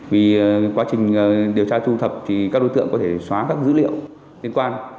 vì quá trình điều tra thu thập thì các đối tượng có thể xóa các dữ liệu liên quan